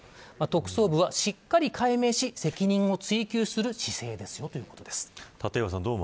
特捜部はしっかり解明し責任を追及する姿勢ですよということです。